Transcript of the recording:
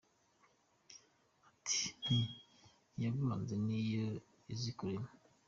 Nti: Iyaguhanze ni yo izi kurema